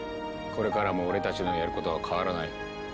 これからも俺たちのやることは変わらない。